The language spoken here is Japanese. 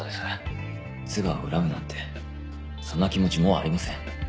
津川を恨むなんてそんな気持ちもうありません。